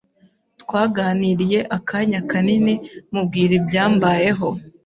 Twaraganiriye akanya kanini mubwira ibyambayeho